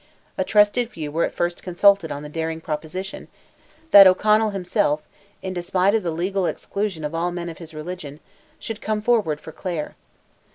A trusted few were at first consulted on the daring proposition, that O'Connell himself, in despite of the legal exclusion of all men of his religion, should come forward for Clare.